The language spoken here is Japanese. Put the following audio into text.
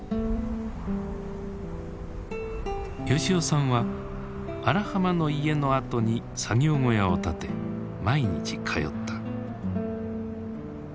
吉男さんは荒浜の家の跡に作業小屋を建て毎日通った。